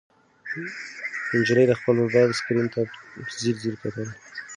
نجلۍ د خپل موبایل سکرین ته په ځیر ځیر کتل.